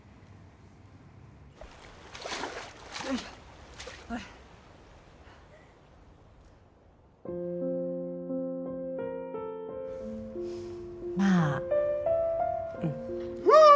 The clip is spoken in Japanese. よいしょはいまあうん。ヒューッ！